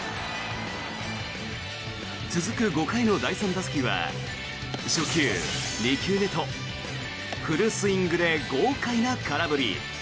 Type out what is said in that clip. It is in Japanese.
続く５回の第３打席は初球、２球目とフルスイングで豪快な空振り。